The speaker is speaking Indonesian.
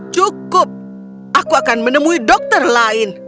cukup aku akan menemui dokter lain